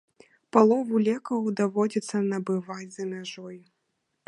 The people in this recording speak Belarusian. Палову лекаў даводзіцца набываць за мяжой.